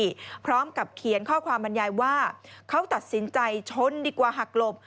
พร้อมกับเขียนข้อความบรรยายว่าเขาตัดสินใจชนดีกว่าหักหลบ